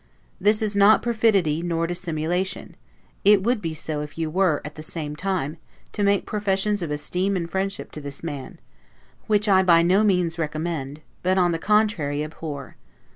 This is not perfidy nor dissimulation; it would be so if you were, at the same time, to make professions of esteem and friendship to this man; which I by no means recommend, but on the contrary abhor.